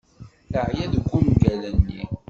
Teɛya deg ungal-nni.